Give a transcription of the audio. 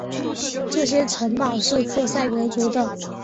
这些城堡是克塞格族的。